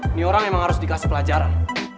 ini orang memang harus dikasih pelajaran